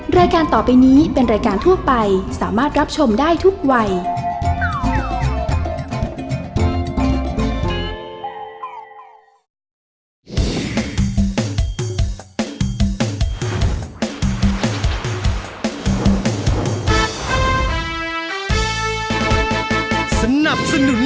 รายการต่อไปนี้เป็นรายการทั่วไปสามารถรับชมได้ทุกวัย